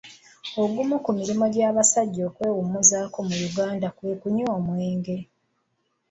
Ogumu ku mirimu gy'abasajja okwewummuzaako mu Uganda kwe kunywa omwenge.